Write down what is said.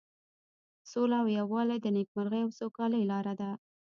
سوله او یووالی د نیکمرغۍ او سوکالۍ لاره ده.